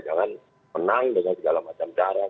jangan menang dengan segala macam cara